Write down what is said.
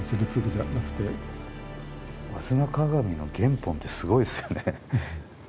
「吾妻鏡」の原本ってすごいですよね。